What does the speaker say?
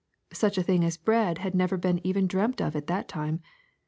''Such a thing as bread had never been even dreamt of at that time.